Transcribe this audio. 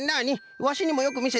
ワシにもよくみせとくれ。